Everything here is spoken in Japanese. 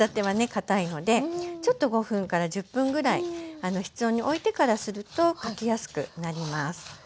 かたいのでちょっと５分から１０分ぐらい室温においてからするとかきやすくなります。